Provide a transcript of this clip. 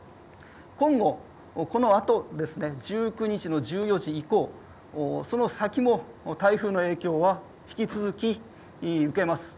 今後このあと１９日の１４時以降その先も台風の影響は引き続き受けます。